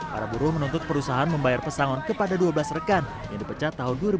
para buruh menuntut perusahaan membayar pesangon kepada dua belas rekan yang dipecat tahun dua ribu dua